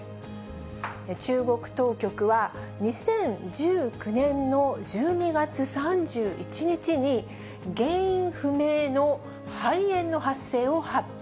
中国当局は、２０１９年の１２月３１日に、原因不明の肺炎の発生を発表。